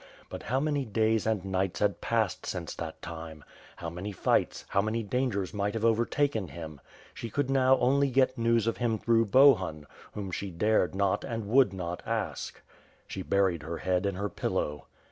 But how many days and nights had pasesd since that time! How many fights, how many dangers might have overtaken him! She could now only get news of him through Bohun, whom she dared not and would not ask. She buried her head in her pillow.